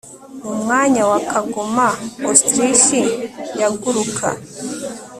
mu mwanya wa kagoma, ostrich yaguruka